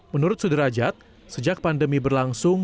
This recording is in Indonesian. menurut suderajat sejak pandemi berlangsung